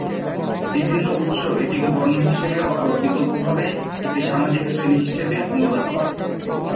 বিভিন্ন উৎস এটিকে বর্ণ হিসেবে অথবা বিকল্পভাবে একটি সামাজিক শ্রেণী হিসেবে অনুবাদ করে।